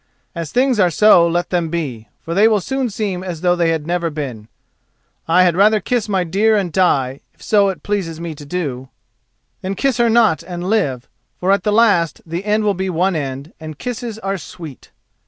As things are so let them be, for they will soon seem as though they had never been. I had rather kiss my dear and die, if so it pleases me to do, than kiss her not and live, for at the last the end will be one end, and kisses are sweet!"